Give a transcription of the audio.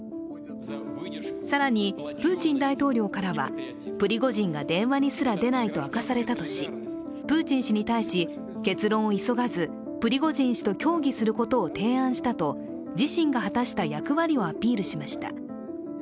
更に、プーチン大統領からはプリゴジンが電話にすら出ないと明かされたとし、プーチン氏に対し結論を急がずプリゴジン氏と協議することを提案したと自身が果たした役割をアピールしました。